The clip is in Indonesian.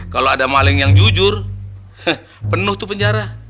kalo ada maling yang jujur heh penuh tuh penjara